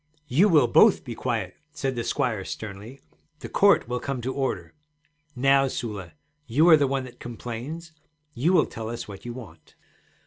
'You will both be quiet' said the squire sternly. 'The court will come to order. Now, Sula, you are the one that complains; you will tell us what you want.'